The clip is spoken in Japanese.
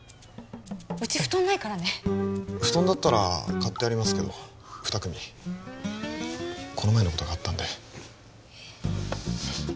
うち布団ないからね布団だったら買ってありますけど２組この前のことがあったんでえっ？